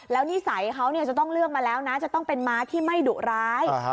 แล้วนิสัยเขาจะต้องเลือกมาแล้วนะจะต้องเป็นม้าที่ไม่ดุร้าย